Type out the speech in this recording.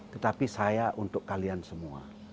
tetapi saya untuk kalian semua